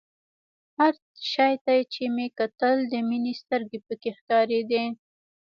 هر شي ته چې مې کتل د مينې سترګې پکښې ښکارېدې.